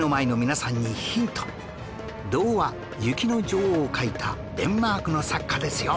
童話『雪の女王』を書いたデンマークの作家ですよ